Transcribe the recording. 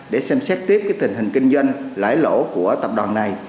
để xem xét tiếp tình hình kinh doanh lãi lỗ của tập đoàn này